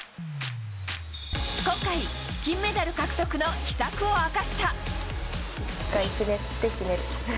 今回、金メダル獲得の秘策を明かした。